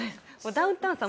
ダウンタウンさん